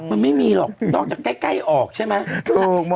มันไม่มีหรอกนอกจากใกล้ออกใช่ไหม